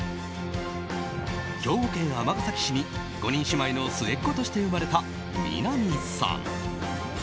兵庫県尼崎市に５人姉妹の末っ子として生まれた南さん。